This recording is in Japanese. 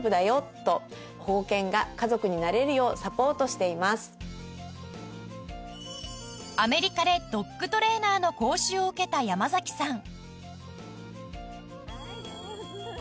私たちはアメリカでドッグトレーナーの講習を受けた山さん